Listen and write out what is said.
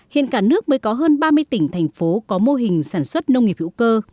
hiện cả nước mới có hơn ba mươi tỉnh thành phố có mô hình sản xuất nông nghiệp hữu cơ